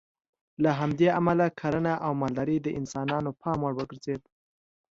له همدې امله کرنه او مالداري د انسانانو پام وړ وګرځېده.